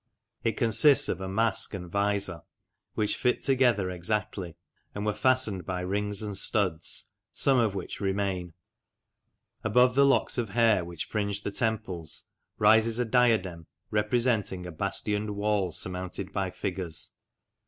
It consists of a mask and visor, which fit together exactly, and were fastened by rings and studs, some of which remain. Above the locks of hair which fringe the temples rises a diadem representing a bastioned wall surmounted by figures.